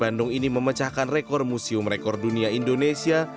dia menjadi seorang pemerintah yang memiliki sumber rekor dunia indonesia